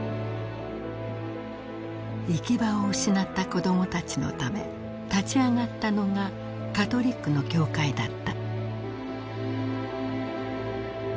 行き場を失った子どもたちのため立ち上がったのがカトリックの教会だった。